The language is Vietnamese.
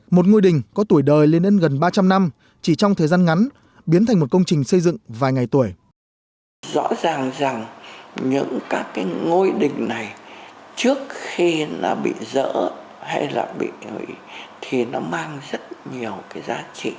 một ngôi đình có tuổi đời lên đến gần ba trăm linh năm chỉ trong thời gian ngắn biến thành một công trình xây dựng vài ngày tuổi